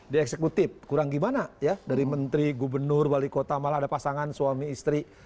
di eksekutif kurang gimana ya dari menteri gubernur wali kota malah ada pasangan suami istri